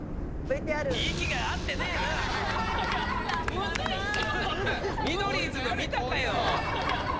むずいっすよ。